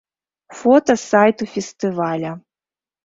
Фота з сайту фестываля.